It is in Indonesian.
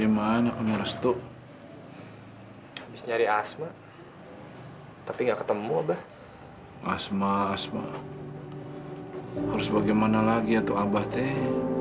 mana lagi ya tuh abah teh